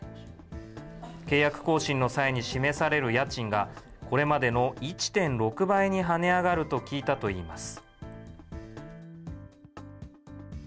契約更新の際に示される家賃が、これまでの１．６倍に跳ね上がると聞いたといいます。